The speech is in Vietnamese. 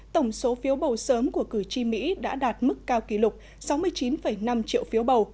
tổng số phiếu bầu sớm của cử tri mỹ đã đạt mức cao kỷ lục sáu mươi chín năm triệu phiếu bầu